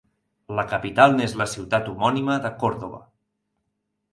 La capital n'és la ciutat homònima de Córdoba.